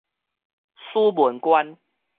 死門關